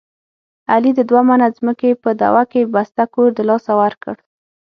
علي د دوه منه ځمکې په دعوه کې بسته کور دلاسه ورکړ.